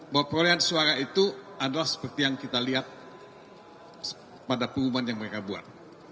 bahwa perolehan suara itu adalah seperti yang kita lihat pada pengumuman yang mereka buat